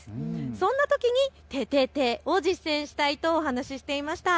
そんなときにててて！を実践したいと話していました。